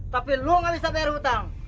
tapi lu gak bisa bayar hutang